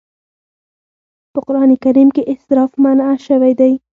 په قرآن کريم کې اسراف منع شوی دی.